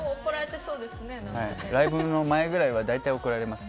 ライブの前ぐらいは大体怒られます。